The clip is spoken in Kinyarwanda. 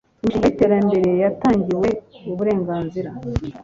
imishinga y iterambere yatangiwe uburenganzira